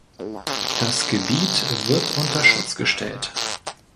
Das Gebiet wird unter Schutz gestellt